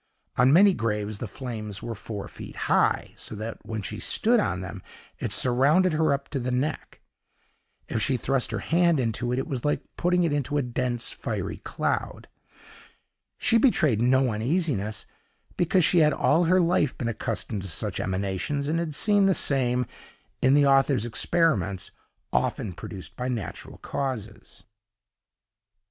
On many graves the flames were four feet high, so that when she stood on them, it surrounded her up to the neck. If she thrust her hand into it, it was like putting it into a dense, fiery cloud. She betrayed no uneasiness, because she had all her life been accustomed to such emanations, and had seen the same, in the author's experiments, often produced by natural causes.